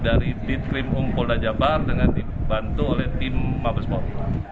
dari ditkrim ung pol dajabar dengan dibantu oleh tim mabespor